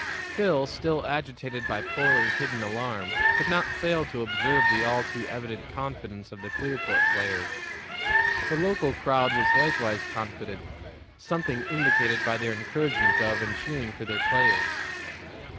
Phil, still agitated by poorly hidden alarm, could not fail to observe the all too evident confidence of the Clearport players. The local crowd was likewise confident, something indicated by their encouragement of and cheering for their players.